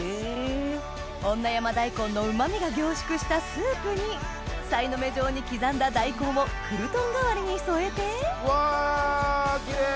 女山大根のうま味が凝縮したスープにさいの目状に刻んだ大根をクルトン代わりに添えてわキレイ！